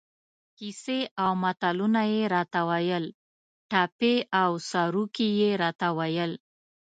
کیسې او متلونه یې را ته ویل، ټپې او سروکي یې را ته ویل.